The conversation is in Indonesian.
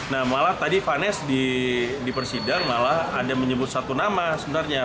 nah malah tadi vanes di persidangan malah ada menyebut satu nama sebenarnya